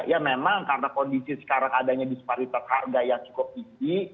ya memang karena kondisi sekarang adanya disparitas harga yang cukup tinggi